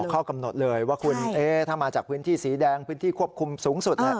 ข้อกำหนดเลยว่าคุณถ้ามาจากพื้นที่สีแดงพื้นที่ควบคุมสูงสุด